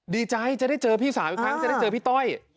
ดีใจจะได้เจอพี่สาวอีกครั้งจะได้เจอพี่ต้อย